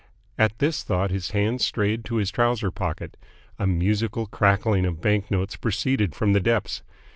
At this thought his hand strayed to his trouser pocket. A musical crackling of bank notes proceeded from the depths.